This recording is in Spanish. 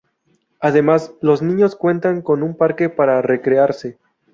Además, los niños cuentan con un parque para recrearse.